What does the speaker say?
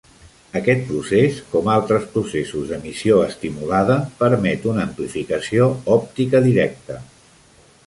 Aquest procés, com altres processos d'emissió estimulada, permet una amplificació òptica directa.